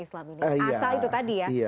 islam ini asal itu tadi ya